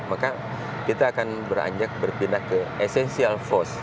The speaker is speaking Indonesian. maka kita akan beranjak berpindah ke essential force